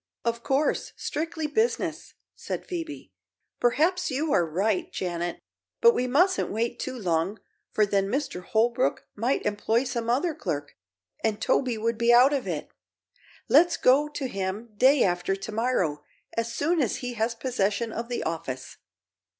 "Of course; strictly business," said Phoebe. "Perhaps you are right, Janet, but we mustn't wait too long, for then Mr. Holbrook might employ some other clerk and Toby would be out of it. Let's go to him day after to morrow, as soon as he has possession of the office."